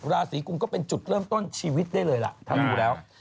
ราศีกุมก็เป็นจุดเริ่มต้นชีวิตได้เลยล่ะถ้าดูแล้ว